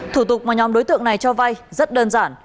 thủ tục mà nhóm đối tượng này cho vay rất đơn giản